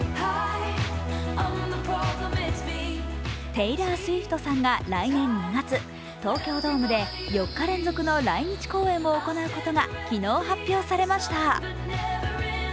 テイラー・スウィフトさんが来年２月、東京ドームで４日連続の来日公演を行うことが昨日発表されました。